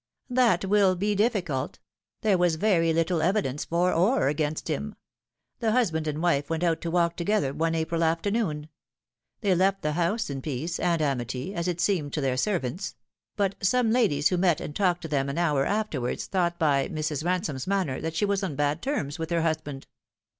" That will be difficult. There was very little evidence for or against him. The husband and wife went out to walk to gether one April afternoon. They left the house in peace and amity, as it seemed to their servants ; but some ladies who met and talked to them an hour afterwards thought by Mrs. Ran Bome's manner that she was on bad terms with her husband.